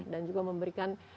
dan juga memberikan